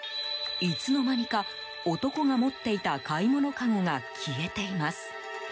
いつの間にか、男が持っていた買い物かごが消えています。